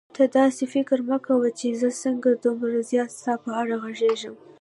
ته داسې فکر مه کوه چې زه څنګه دومره زیاته ستا په اړه غږېږم.